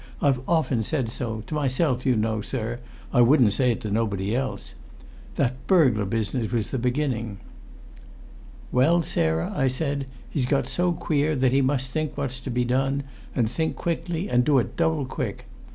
I've often said so to myself, you know, sir I wouldn't say it to nobody else. That burgular business was the beginning." "Well, Sarah," I said, "he's got so queer that we must think what's to be done, and think quickly, and do it double quick!